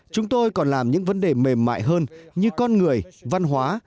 chúng tôi còn làm những vấn đề mềm mại hơn như con người văn hóa